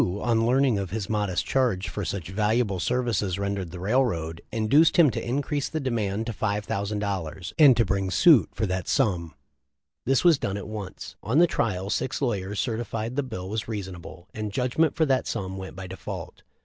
on learning of his modest charge for such valuable services rendered the railroad, induced him to increase the demand to $5,000, and to bring suit for that sum. This was done at once. On the trial six lawyers certified that the bill was reasonable, and judgment for that sum went by default.